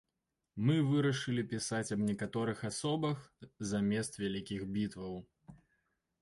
Мы вырашылі пісаць аб некаторых асобах замест вялікіх бітваў.